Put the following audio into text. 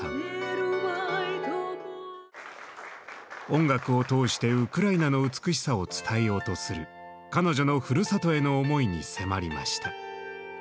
音楽を通してウクライナの美しさを伝えようとする彼女のふるさとへの思いに迫りました。